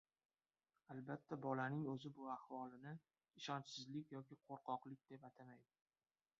Albatta bolaning o‘zi bu ahvolini ishonchsizlik yoki qo‘rqoqlik deb atamaydi.